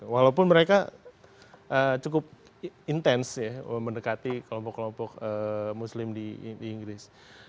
walaupun mereka cukup intens ya mendekati kelompok kelompok muslim di inggris